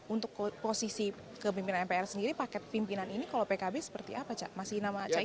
untuk posisi kepimpinan mpr sendiri paket pimpinan ini kalau pkb seperti apa cak masih nama caimin